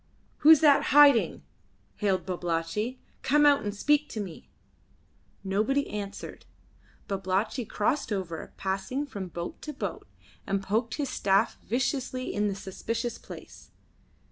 "Who's that hiding?" hailed Babalatchi. "Come out and speak to me." Nobody answered. Babalatchi crossed over, passing from boat to boat, and poked his staff viciously in the suspicious place.